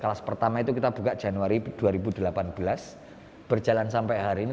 kelas pertama itu kita buka januari dua ribu delapan belas berjalan sampai hari ini